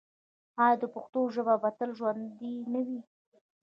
آیا د پښتنو ژبه به تل ژوندی نه وي؟